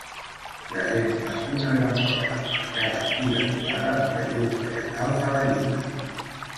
Presenta una gran porta emmarcada i decorada amb relleus vegetals a la llinda.